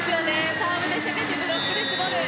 サーブで攻めてブロックで絞る。